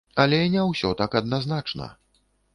Але не усё так адназначна.